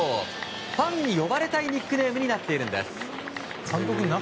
ファンに呼ばれたいニックネームになっているんです。